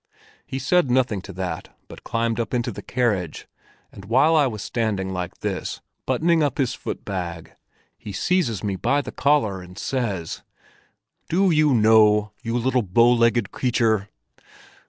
He said nothing to that, but climbed up into the carriage; but while I was standing like this, buttoning up his foot bag, he seizes me by the collar and says: 'Do you know, you little bow legged creature!